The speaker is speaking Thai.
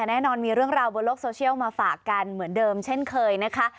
แน่นอนมีเรื่องราวบนโลกโซเชียลมาฝากกันเหมือนเดิมเช่นเคยนะคะ